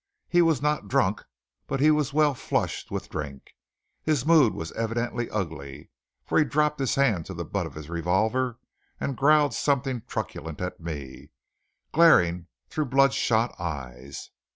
He was not drunk, but he was well flushed with drink. His mood was evidently ugly, for he dropped his hand to the butt of his revolver, and growled something truculent at me, glaring through bloodshot eyes.